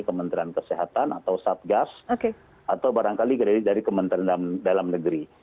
kementerian kesehatan atau satgas atau barangkali kredit dari kementerian dalam negeri